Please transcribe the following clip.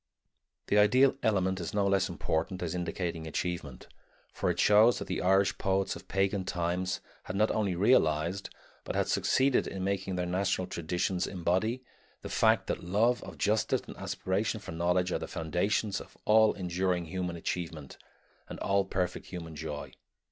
The ideal element is no less important as indicating achievement, for it shows that the Irish poets of pagan times had not only realized, but had succeeded in making their national traditions embody, the fact that love of justice and aspiration for knowledge are the foundations of all enduring human achievement and all perfect human joy.